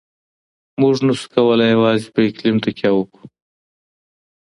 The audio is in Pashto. موږ نسو کولای يوازې په اقليم تکيه وکړو.